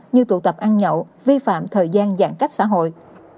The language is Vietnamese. như tụ tập ăn nhậu vi phạm thời gian giãn cách xã hội